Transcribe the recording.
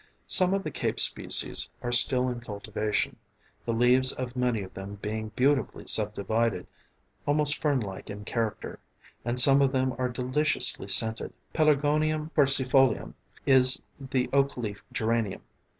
Some of the Cape species are still in cultivation the leaves of many of them being beautifully subdivided, almost fern like in character, and some of them are deliciously scented; P. quercifolium is the oak leaf geranium.